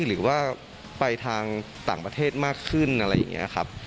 หรือว่าไปทางต่างประเทศมากขึ้นอะไรอย่างนี้ครับ